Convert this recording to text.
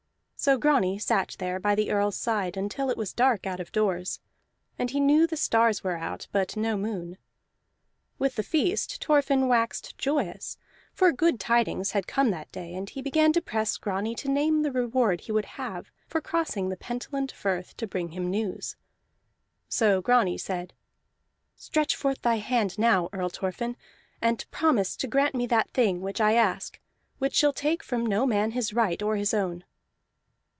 So Grani sat there by the Earl's side until it was dark out of doors, and he knew the stars were out, but no moon. With the feast, Thorfinn waxed joyous, for good tidings had come that day; and he began to press Grani to name the reward he would have for crossing the Pentland Firth to bring him news. So Grani said: "Stretch forth thy hand now, Earl Thorfinn, and promise to grant me that thing which I ask, which shall take from no man his right or his own."